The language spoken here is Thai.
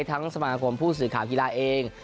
สมาคมผู้สื่อข่าวกีฬาเอง